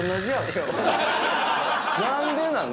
何でなん？